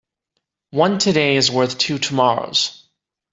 One today is worth two tomorrows.